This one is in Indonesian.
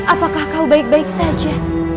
apakah kau baik baik saja